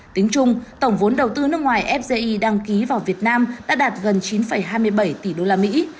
tính chung tổng vốn đầu tư nước ngoài fge đăng ký vào việt nam đã đạt gần chín hai mươi bảy tỷ usd